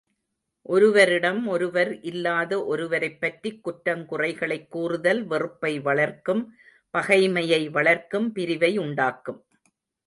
ஒருவரிடம் ஒருவர், இல்லாத ஒருவரைப் பற்றிக் குற்றங் குறைகளைக் கூறுதல், வெறுப்பை வளர்க்கும் பகைமையை வளர்க்கும் பிரிவை உண்டாக்கும்.